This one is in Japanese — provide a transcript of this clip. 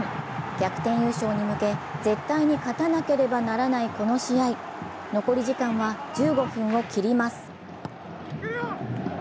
逆転優勝に向け絶対に勝たなければならないこの試合、残り時間は１５分を切ります。